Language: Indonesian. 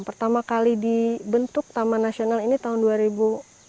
pertama kali dibentuk taman nasional sebangau sekarang itu memerlukan waktu yang cukup panjang